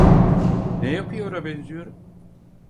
Ne yapıyora benziyorum?